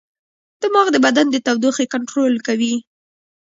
دماغ د بدن د تودوخې کنټرول کوي.